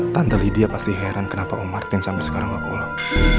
tante lidia pasti heran kenapa om martin sampai sekarang gak pulang